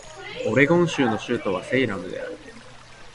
オレゴン州の州都はセイラムである